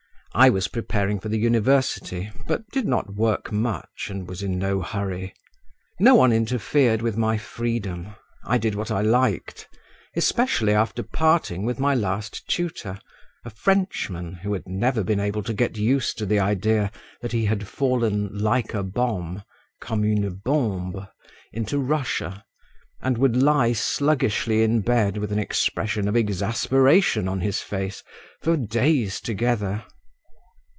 I was preparing for the university, but did not work much and was in no hurry. No one interfered with my freedom. I did what I liked, especially after parting with my last tutor, a Frenchman who had never been able to get used to the idea that he had fallen "like a bomb" (comme une bombe) into Russia, and would lie sluggishly in bed with an expression of exasperation on his face for days together.